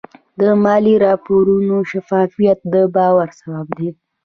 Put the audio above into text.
د مالي راپورونو شفافیت د باور سبب دی.